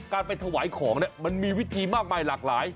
การไปถวายของเนี่ยมันมีวิธีมากมายหลากหลาย